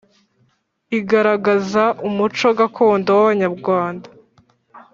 igaragaraza umuco gakondo w’abanyarwanda.